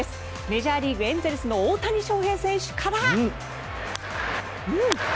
メジャーリーグ、エンゼルスの大谷翔平選手から。